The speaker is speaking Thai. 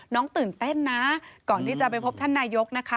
ตื่นเต้นนะก่อนที่จะไปพบท่านนายกนะคะ